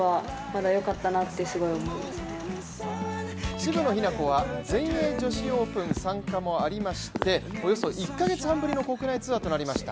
渋野日向子は全英女子オープン参加もありましておよそ１カ月半ぶりの国内ツアーとなりました。